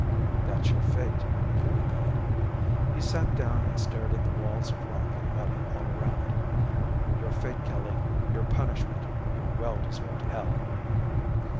"That's your fate," Kelly thought. He sat down and stared at the walls of rock and metal all around. "Your fate, Kelly. Your punishment, your well deserved hell."